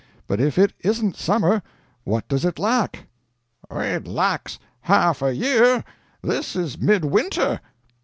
But if it isn't summer, what does it lack?" "It lacks half a year. This is mid winter."